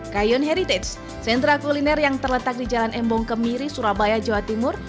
kayun heritage sentra kuliner yang terletak di jalan embong kemiri surabaya jawa timur